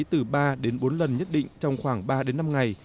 từ ba đến bốn lần nhất định trong khoảng ba đến năm ngày